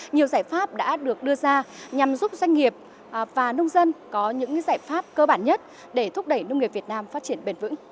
nhiều giải pháp đã được đưa ra nhằm giúp doanh nghiệp và nông dân có những giải pháp cơ bản nhất để thúc đẩy nông nghiệp việt nam phát triển bền vững